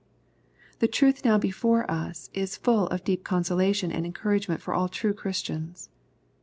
The truth now before us is full of deep consolation and encouragement for all true Christians.